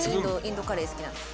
インドカレー好きなんです。